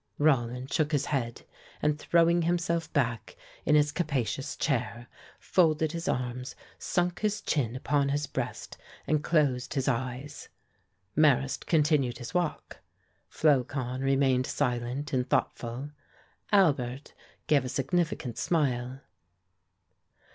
Rollin shook his head, and, throwing himself back in his capacious chair, folded his arms, sunk his chin upon his breast and closed his eyes. Marrast continued his walk. Flocon remained silent and thoughtful. Albert gave a significant smile.